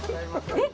えっ！